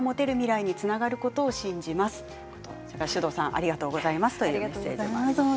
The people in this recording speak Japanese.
ありがとうございます。